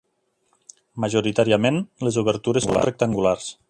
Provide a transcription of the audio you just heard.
Majoritàriament, les obertures són rectangulars.